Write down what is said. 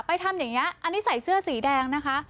ไปทำอย่างนี้ใส่เสื้อสีแดงนะคะ